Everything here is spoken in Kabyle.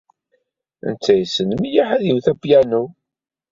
Netta yessen mliḥ ad iwet apyanu.